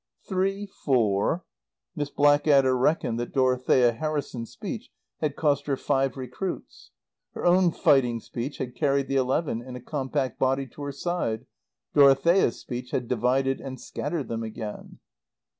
"Three four " Miss Blackadder reckoned that Dorothea Harrison's speech had cost her five recruits. Her own fighting speech had carried the eleven in a compact body to her side: Dorothea's speech had divided and scattered them again.